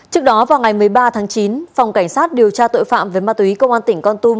trước đó vào ngày một mươi ba tháng chín phòng cảnh sát điều tra tội phạm về ma túy công an tỉnh con tum